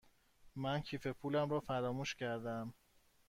من کیف پولم را فراموش کرده ام.